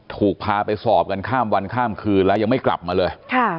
ถูกพาไปสอบกันข้ามวันข้ามคืนแล้วยังไม่กลับมาเลย